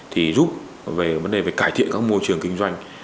thì giúp về vấn đề về cải thiện các môi trường kinh doanh